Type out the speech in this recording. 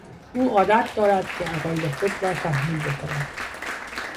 او عادت دارد که عقاید خود را تحمیل بکند.